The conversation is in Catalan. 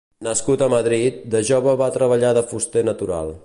Nascut a Madrid, de jove va treballar de fuster natural.